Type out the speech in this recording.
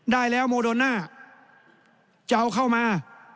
ได้แล้วโมโดน่าจะเอาเข้ามา